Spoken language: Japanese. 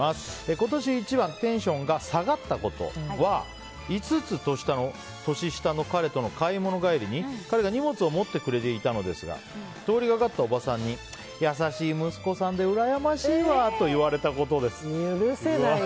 今年一番テンションが下がったことは５つ年下の彼との買い物帰りに彼が荷物を持ってくれていたのですが通りがかったおばさんに優しい息子さんでうらやましいわと言われたことです。